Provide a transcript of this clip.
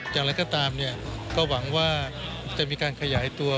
อย่างไรก็ตามเนี่ยก็หวังว่าจะมีการขยายตัว